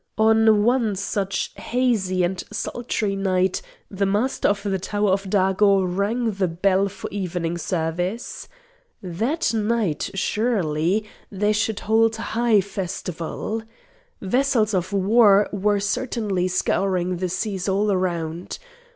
On one such hazy and sultry night the Master of the Tower of Dago rang the bell for evening "service." That night, surely, they should hold high festival. Vessels of war were certainly scouring the seas all around.